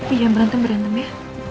iya berantem berantem ya